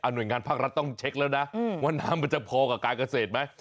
หน่วยงานภาครัฐต้องเช็คแล้วนะว่าน้ำมันจะพอกับการเกษตรไหม